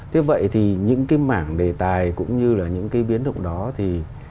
thế vậy thì những cái mảng đề tài cũng như là những cái biến động đó thì